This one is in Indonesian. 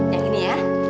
yang ini ya